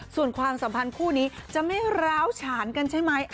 ส่วนความสัมพันธ์คู่นี้จะไม่ร้าวฉานกันใช่ไหม